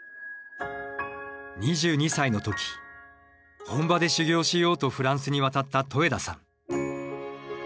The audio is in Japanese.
２２歳の時本場で修行しようとフランスに渡った戸枝さん。